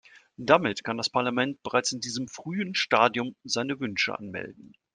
Damit kann das Parlament bereits in diesem frühen Stadium seine Wünsche anmelden.